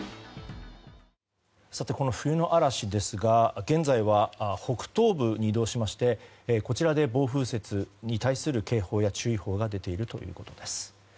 さて、この冬の嵐ですが現在は北東部に移動しましてこちらで暴風雪に対する警報や注意報が出ているということです。